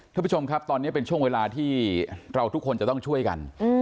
ท่านผู้ชมครับตอนนี้เป็นช่วงเวลาที่เราทุกคนจะต้องช่วยกัน